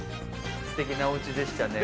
すてきなおうちでしたね。